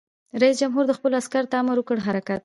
رئیس جمهور خپلو عسکرو ته امر وکړ؛ حرکت!